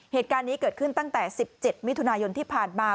เหตุการณ์นี้เกิดขึ้นตั้งแต่๑๗มิถุนายนที่ผ่านมา